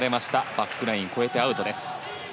バックライン越えてアウトです。